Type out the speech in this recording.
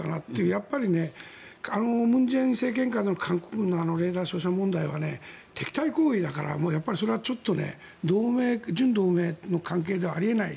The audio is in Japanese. やっぱり文在寅政権下の韓国軍のレーダー照射問題は敵対行為だからそれはちょっと準同盟の関係ではあり得ない。